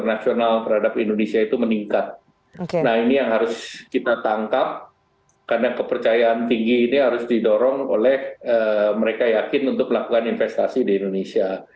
nah ini yang harus kita tangkap karena kepercayaan tinggi ini harus didorong oleh mereka yakin untuk melakukan investasi di indonesia